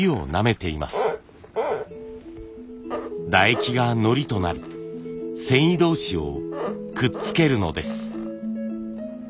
唾液がのりとなり繊維同士をくっつけるのです。